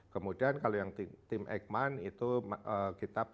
kemudian kalau yang tim eggman itu kita perlu akan masuk ke uji produksi terbatas